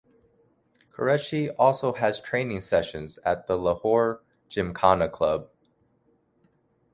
Qureshi also has training sessions at the Lahore Gymkhana Club.